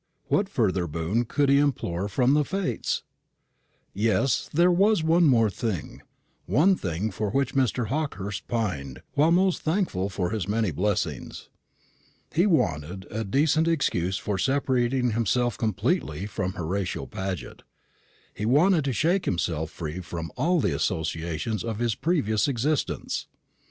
what further boon could he implore from the Fates? Yes, there was one thing more one thing for which Mr. Hawkehurst pined, while most thankful for his many blessings. He wanted a decent excuse for separating himself most completely from Horatio Paget. He wanted to shake himself free from all the associations of his previous existence.